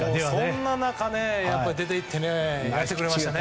そんな中、出て行ってやってくれましたね。